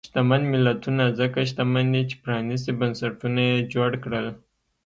شتمن ملتونه ځکه شتمن دي چې پرانیستي بنسټونه یې جوړ کړل.